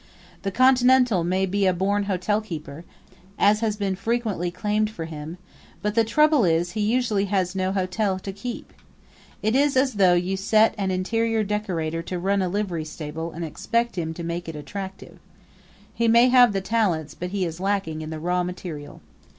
The Continental may be a born hotelkeeper, as has been frequently claimed for him; but the trouble is he usually has no hotel to keep. It is as though you set an interior decorator to run a livery stable and expected him to make it attractive. He may have the talents, but he is lacking in the raw material.